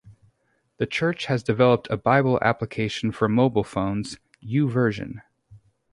The church has developed a Bible application for mobile phones, YouVersion.